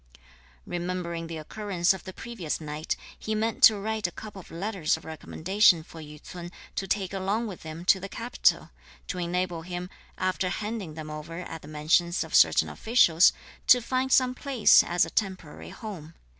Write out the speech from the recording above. Remembering the occurrence of the previous night, he meant to write a couple of letters of recommendation for Yü ts'un to take along with him to the capital, to enable him, after handing them over at the mansions of certain officials, to find some place as a temporary home.